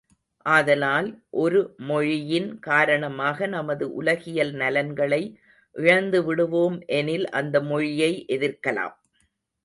ஆதலால், ஒரு மொழியின் காரணமாக நமது உலகியல் நலன்களை இழந்து விடுவோம் எனில் அந்த மொழியை எதிர்க்கலாம்.